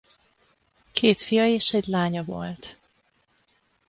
Két fia és egy lánya volt.